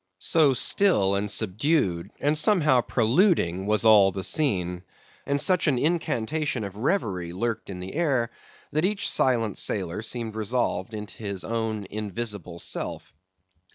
So still and subdued and yet somehow preluding was all the scene, and such an incantation of reverie lurked in the air, that each silent sailor seemed resolved into his own invisible self.